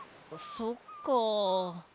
そっかあ。